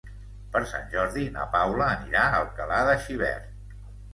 Per Sant Jordi na Paula anirà a Alcalà de Xivert.